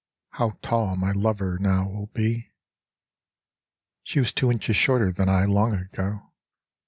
How tall my lover now will be ! She was two inches shorter than I long ago.